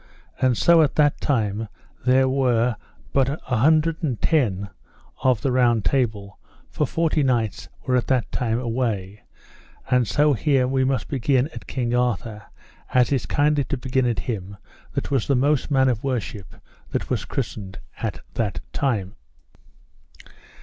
And so at that time there were but an hundred and ten of the Round Table, for forty knights were that time away; and so here we must begin at King Arthur, as is kindly to begin at him that was the most man of worship that was christened at that time.